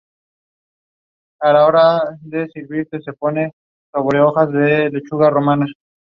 Es un afluente por la izquierda del río Po.